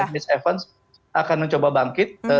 nis evans akan mencoba bangkit